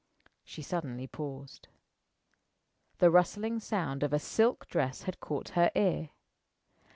She suddenly paused. The rustling sound of a silk dress had caught her ear.